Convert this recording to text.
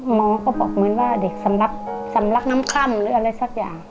หมอก็บอกเหมือนว่าเด็กสำลักน้ำค่ำหรืออะไรสักอย่าง